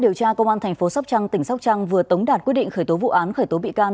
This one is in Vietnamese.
điều tra công an thành phố sóc trăng tỉnh sóc trăng vừa tống đạt quyết định khởi tố vụ án khởi tố bị can